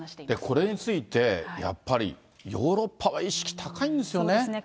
これについて、やっぱり、ヨーロッパは意識高いんですよね。